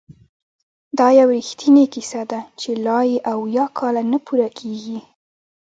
دا یو رښتینې کیسه ده چې لا یې اویا کاله نه پوره کیږي!